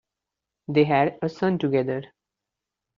They had a son together.